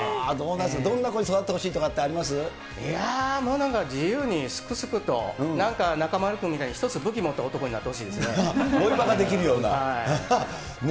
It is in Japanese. どんな子に育ってほしいとかいやー、どうなんだろう、自由に、すくすくと、なんか中丸君みたいに１つ武器持った男になってほしいですね。